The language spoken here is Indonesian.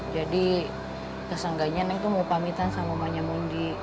jadi kesanggainya neng tuh mau pamitan sama mamanya mundi